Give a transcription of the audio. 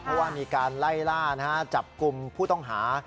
เพราะว่ามีการไล่ล่าจับกลุ่มผู้ต้องหา